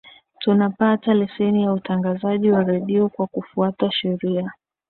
tunapata leseni ya utangazaji wa redio kwa kufuata sheria